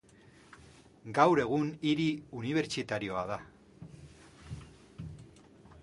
Gaur egun hiri unibertsitarioa da.